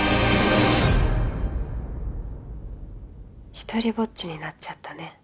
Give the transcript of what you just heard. ひとりぼっちになっちゃったね。